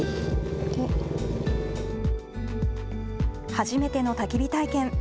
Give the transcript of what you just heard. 初めてのたき火体験。